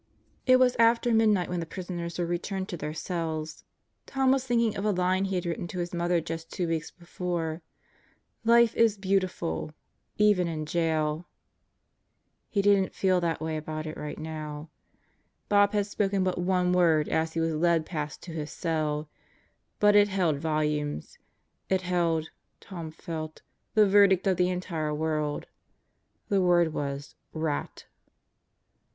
It was after midnight when the prisoners were returned to their cells. Tom was thinking of a line he had written to his mother just two weeks before: "Life is beautiful even in jail." He didn't feel that way about it right now. Bob had spoken but one word as he was led past to his cell. But it held volumes. It held, Tom felt, the verdict of the entire world. The word was "Rat!"